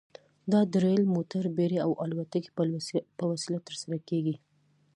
دا د ریل، موټر، بېړۍ او الوتکې په وسیله ترسره کیږي.